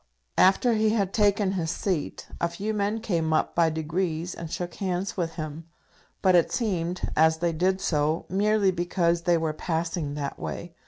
After he had taken his seat, a few men came up by degrees and shook hands with him; but it seemed, as they did so, merely because they were passing that way.